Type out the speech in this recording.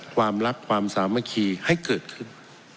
ความรักความสามัคคีให้เกิดขึ้น